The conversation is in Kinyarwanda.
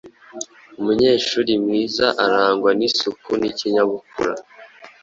Umunyeshuri mwiza arangwa n’isuku n’ikinyabupfura.